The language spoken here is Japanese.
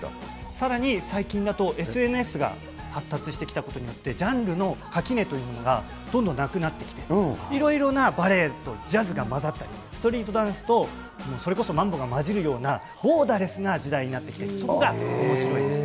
さらに最近だとＳＮＳが発達してきたことによって、ジャンルの垣根というものが、どんどんなくなってきて、いろいろなバレエとジャズが交ざったり、ストリートダンスとそれこそマンボが交じるような、ボーダレスな時代になって、そこがおもしろいんです。